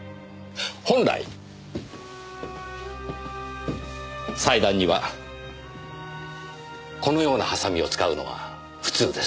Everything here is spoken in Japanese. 本来裁断にはこのようなハサミを使うのが普通です。